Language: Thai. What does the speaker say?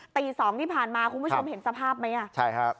ตีสองที่ผ่านมาคุณผู้ชมเห็นสภาพไหมอ่ะใช่ครับ